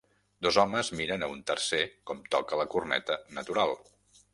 Dos homes miren a un tercer com toca la corneta natural.